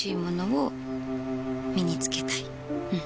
うん。